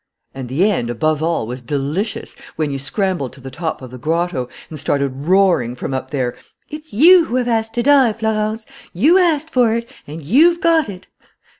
And the end, above all, was delicious, when you scrambled to the top of the grotto and started roaring from up there: 'It's you who have asked to die, Florence. You asked for it and you've got it!'